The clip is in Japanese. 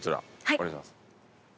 お願いします。